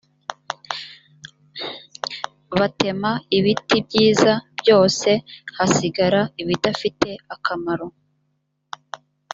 batema ibiti byiza byose hasigara ibidafite akamaro